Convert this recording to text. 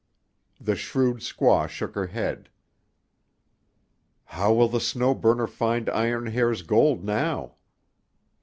The shrewd squaw shook her head. "How will the Snow Burner find Iron Hair's gold how?